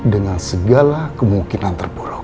dengan segala kemungkinan terburuk